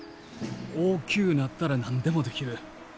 大きゅうなったら何でもできる。